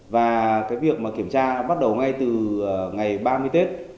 và cái việc mà kiểm tra bắt đầu ngay từ ngày ba mươi tết